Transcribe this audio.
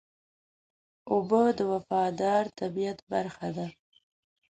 اوبه د وفادار طبیعت برخه ده.